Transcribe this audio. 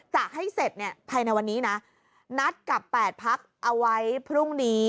จะให้เสร็จเนี่ยภายในวันนี้นะนัดกับ๘พักเอาไว้พรุ่งนี้